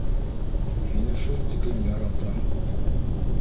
Һине шул тиклем яратам.